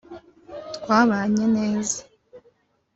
twabanye neza